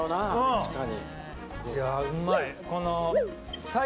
確かに。